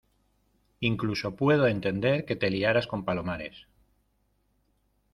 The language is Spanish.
incluso puedo entender que te liaras con Palomares.